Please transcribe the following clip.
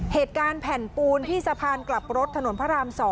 เหตุการณ์แผ่นปูนที่สะพานกลับรถถนนพระราม๒